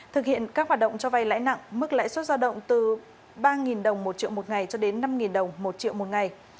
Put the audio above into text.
thực hiện các hoạt động cho vay lãi nặng mức lãi suất giao động từ ba đồng một triệu một ngày cho đến năm đồng một triệu một ngày